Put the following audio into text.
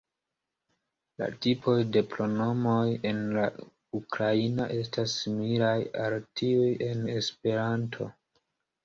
La tipoj de pronomoj en la ukraina estas similaj al tiuj en esperanto.